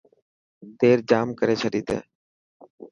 دير ڄام ڪري ڇڏي تين.